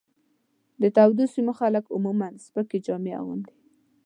د تودو سیمو خلک عموماً سپکې جامې اغوندي.